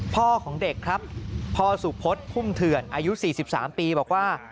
พ่อของเด็กครับพ่อสุพศพุ่มเถื่อนอายุ๔๓ปีบอกว่า